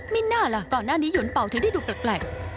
ไม่น่าล่ะก่อนหน้านี้หวนเป่าเธอได้ดูแปลก